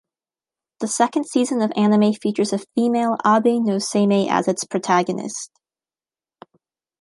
The second season of anime features a female Abe no Seimei as its protagonist.